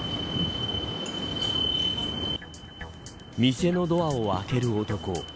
店のドアを開ける男。